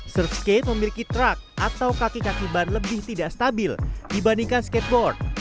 surfskate memiliki truk atau kaki kaki ban lebih tidak stabil dibandingkan skateboard